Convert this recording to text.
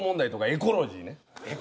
エコロジー。